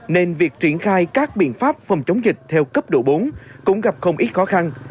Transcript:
nên việc triển khai các biện pháp phòng chống dịch theo cấp độ bốn cũng gặp không ít khó khăn